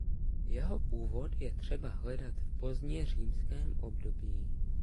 Jeho původ je třeba hledat v pozdně římském období.